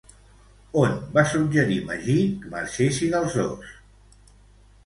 On va suggerir Magí que marxessin els dos?